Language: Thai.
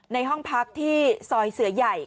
ในห้องพักที่ซอยเสือใหญ่